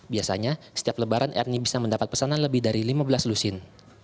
biasanya setiap lebaran ernie bisa mendapat pesanan lebih dari lima belas lusin